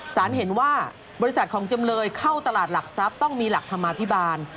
สารเห็นว่าบริษัทของจำเลยเข้าตลาดหลักทรัพย์ต้องมีหลักธรรมาภิบาล